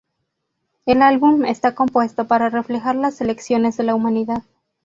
El álbum está compuesto para reflejar las elecciones de la humanidad.